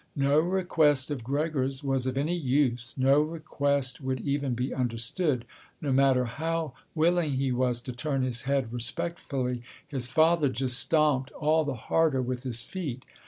No request of Gregor's was of any use; no request would even be understood. No matter how willing he was to turn his head respectfully, his father just stomped all the harder with his feet.